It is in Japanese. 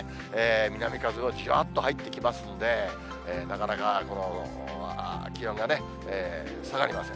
南風もじわっと入ってきますので、なかなか、気温がね、下がりません。